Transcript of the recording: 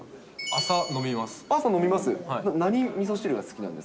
朝飲みます？